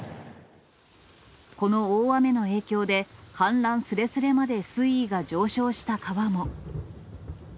この大雨の影響で、氾濫すれすれまで水位が上昇した川も。